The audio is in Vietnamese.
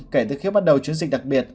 kể từ khi bắt đầu chuyến dịch đặc biệt